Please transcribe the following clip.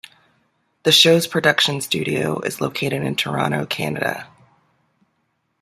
The show's production studio is located in Toronto, Canada.